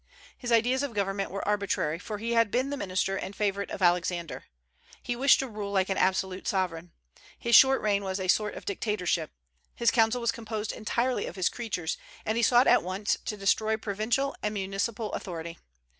His ideas of government were arbitrary, for he had been the minister and favorite of Alexander. He wished to rule like an absolute sovereign. His short reign was a sort of dictatorship. His council was composed entirely of his creatures, and he sought at once to destroy provincial and municipal authority.